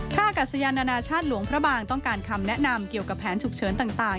อากาศยานานาชาติหลวงพระบางต้องการคำแนะนำเกี่ยวกับแผนฉุกเฉินต่าง